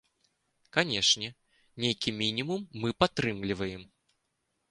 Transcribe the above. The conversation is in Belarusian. Канешне, нейкі мінімум мы падтрымліваем.